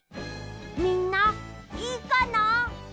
みんないいかな？